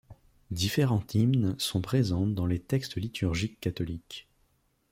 Différentes hymnes sont présentes dans les textes liturgiques catholiques.